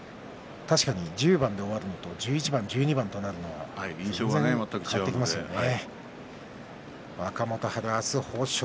確かに１０番で終わるのと１１番、１２番では印象が変わってきますよね。